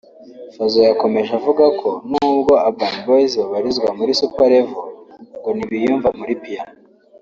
Fazzo yakomeje avuga ko n’ubwo Urban Boyz babarizwa muri Super level ngo ntibiyumva muri Piano